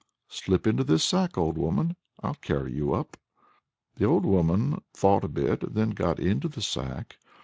"Slip into this sack, old woman. I'll carry you up." The old woman thought a bit, and then got into the sack.